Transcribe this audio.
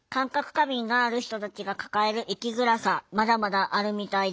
過敏がある人たちが抱える生きづらさまだまだあるみたいです。